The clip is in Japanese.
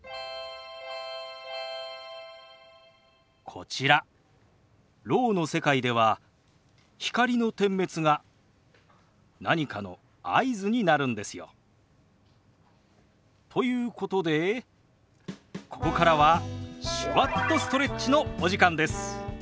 こちらろうの世界では光の点滅が何かの合図になるんですよ。ということでここからは「手話っとストレッチ」のお時間です。